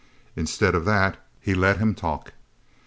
Instead of that, he let him talk.